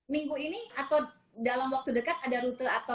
minggu ini atau dalam waktu dekat ada rute atau